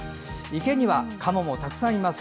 池にはカモもたくさんいます。